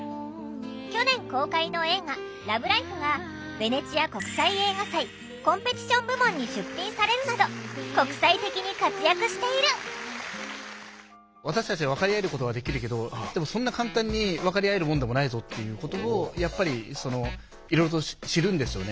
去年公開の映画「ＬＯＶＥＬＩＦＥ」がベネチア国際映画祭コンペティション部門に出品されるなど国際的に活躍している私たちは分かり合えることはできるけどでもそんな簡単に分かり合えるもんでもないぞっていうことをやっぱりいろいろと知るんですよね。